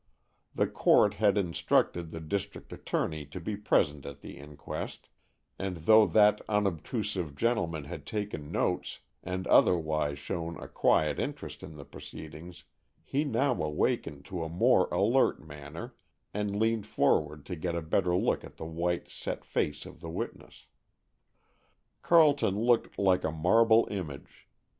The court had instructed the district attorney to be present at the inquest, and though that unobtrusive gentleman had taken notes, and otherwise shown a quiet interest in the proceedings, he now awakened to a more alert manner, and leaned forward to get a better look at the white, set face of the witness. Carleton looked like a marble image.